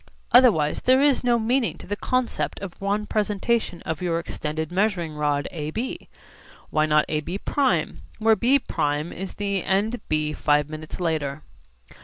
Otherwise there is no meaning to the concept of one presentation of your extended measuring rod AB. Why not AB′ where B′ is the end B five minutes later?